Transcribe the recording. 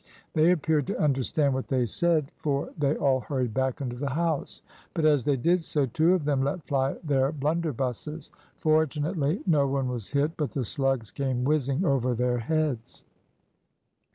They appeared to understand what they said, for they all hurried back into the house; but as they did so, two of them let fly with their blunderbusses. Fortunately no one was hit, but the slugs came whizzing over their heads.